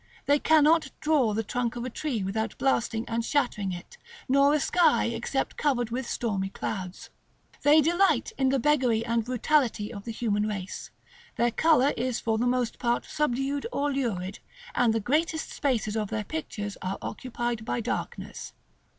They cannot draw the trunk of a tree without blasting and shattering it, nor a sky except covered with stormy clouds: they delight in the beggary and brutality of the human race; their color is for the most part subdued or lurid, and the greatest spaces of their pictures are occupied by darkness.